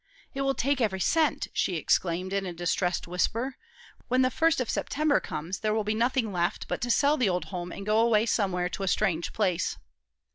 "It will take every cent!" she exclaimed, in a distressed whisper. "When the first of September comes, there will be nothing left but to sell the old home and go away somewhere to a strange place."